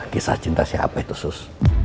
kisah cinta siapa itu sus